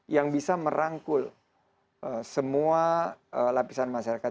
yang bisa merangkul semua lapisan masyarakat